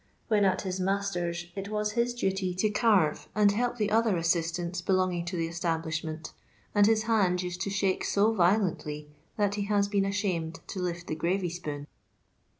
When at his master's it was his duty to carve and help the othef assistants belonging to the establishment, and his haftd nsed to shake BO violently that he has been ashamed to lift the gravy spoon.